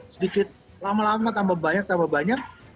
sedikit lama lama tambah banyak